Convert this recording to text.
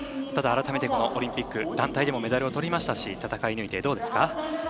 ただ、新ためてこのオリンピック団体でもメダルとりましたし全体を通してどうでした？